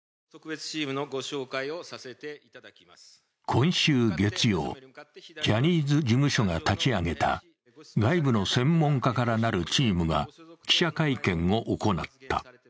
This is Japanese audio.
今週月曜、ジャニーズ事務所が立ち上げた外部の専門家から成るチームが記者会見を行った。